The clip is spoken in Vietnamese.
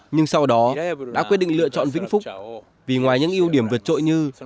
nhưng sau đó đã quyết định lựa chọn vĩnh phúc vì ngoài những ưu điểm vượt trội như